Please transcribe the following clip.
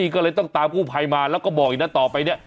ก็เลยต้องตามกู้ภัยมาแล้วก็บอกอีกนะต่อไปเนี่ย